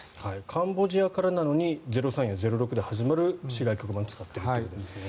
カンボジアからなのに「０３」や「０６」から始まる市外局番を使っているということですよね。